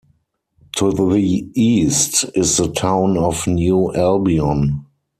To the east is the town of New Albion.